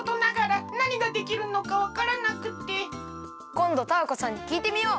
こんどタアコさんにきいてみよう。